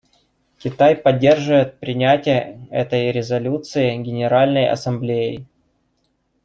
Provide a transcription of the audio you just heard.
Китай поддерживает принятие этой резолюции Генеральной Ассамблеей.